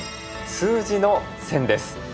数字の千です。